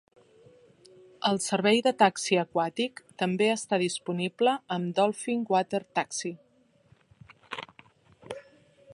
El servei de taxi aquàtic també està disponible amb Dolphin Water Taxi.